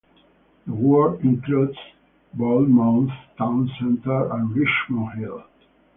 The ward includes Bournemouth Town Centre and Richmond Hill.